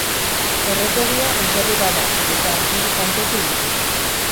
Erretegia baserri bat da, eta hiru jantoki ditu.